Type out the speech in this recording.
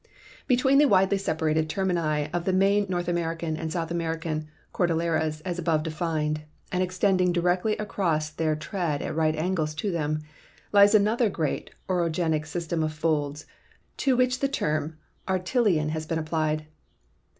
Between the widely separated termini of the main North American and South American cordilleras as above defined, and extending directly across their trend at right angles to them, lies another great orogenic system of folds, to which the term An tillean has been applied.